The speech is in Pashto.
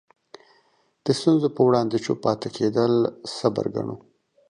د ستونزو په وړاندې چوپ پاتې کېدل صبر ګڼو.